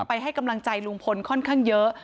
ให้กำลังใจลุงพลค่อนข้างเยอะ